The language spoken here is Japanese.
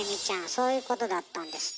そういうことだったんですって。